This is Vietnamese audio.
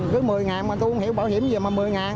cứ một mươi mà tôi không hiểu bảo hiểm gì mà một mươi